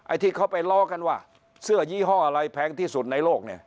ที่เขาไปล้อกันว่าเสื้อยี่ห้ออะไรแพงที่สุดในโลกเนี่ย